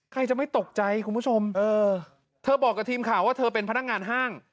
ใครจะไม่ตกใจคุณผู้ชมเออเธอบอกกับทีมข่าวว่าเธอเป็นพนักงานห้าง